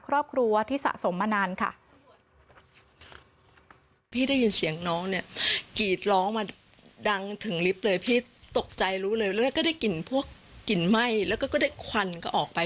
รู้เลยแล้วก็ได้กลิ่นพวกกลิ่นไหม้แล้วก็ได้ควันก็ออกไป